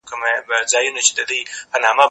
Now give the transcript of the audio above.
زه مېوې خوړلې ده؟!